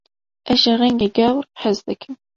Ez ji rengê gewr hez dikim.